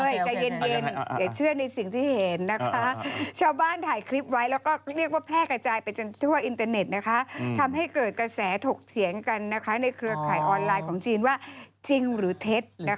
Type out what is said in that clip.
ใจเย็นอย่าเชื่อในสิ่งที่เห็นนะคะชาวบ้านถ่ายคลิปไว้แล้วก็เรียกว่าแพร่กระจายไปจนทั่วอินเตอร์เน็ตนะคะทำให้เกิดกระแสถกเถียงกันนะคะในเครือข่ายออนไลน์ของจีนว่าจริงหรือเท็จ